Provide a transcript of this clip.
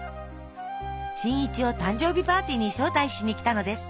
新一を誕生日パーティーに招待しに来たのです。